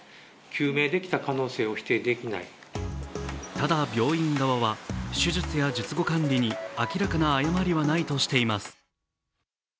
ただ、病院側は、手術や術後管理に明らかな誤りはないとしています。